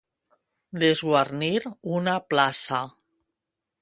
Desguarnir una plaça.